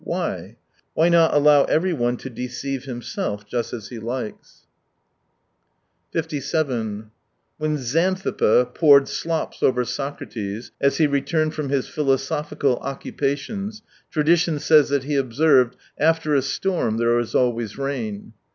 Why ? Why not allow everyone to deceive him self just as he likes ? 71 57 When Xanthippe poured slops over Soc rates, as he returned from his philosophical occupations, tradition says that he observed : "After a storm there is always rain."